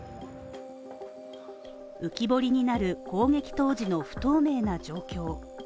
浮き彫りになる攻撃当時の不透明な状況。